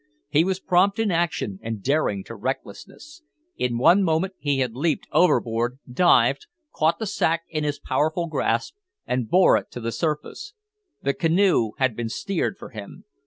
He was prompt in action, and daring to recklessness. In one moment he had leaped overboard, dived, caught the sack in his powerful grasp, and bore it to the surface. The canoe had been steered for him.